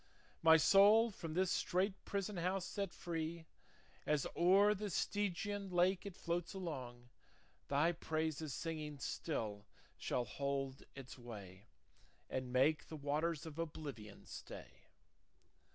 My soul, from this strait prison house set free, As o'er the Stygian lake it floats along, Thy praises singing still shall hold its way, And make the waters of oblivion stay.